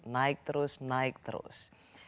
naik terus naik terus